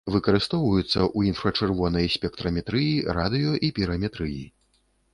Выкарыстоўваюцца ў інфрачырвонай спектраметрыі, радыё- і піраметрыі.